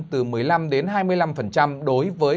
từ một mươi năm hai mươi năm đối với